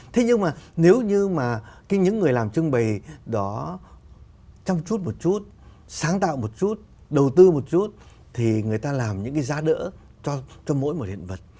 thế nhưng mà nếu như mà những người làm trưng bày đó trong chút một chút sáng tạo một chút đầu tư một chút thì người ta làm những cái giá đỡ cho mỗi một hiện vật